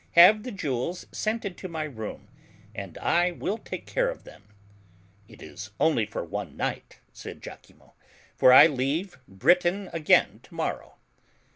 Have the jewels sent into my room, and I will take care of them." It is only for one night," said lachimo, '*for I leave Britain again to morrow."